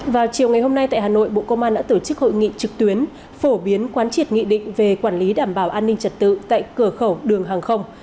vào chiều ngày hôm nay tại hà nội bộ công an đã tổ chức hội nghị trực tuyến phổ biến quán triệt nghị định về quản lý đảm bảo an ninh trật tự tại cửa khẩu đường hàng không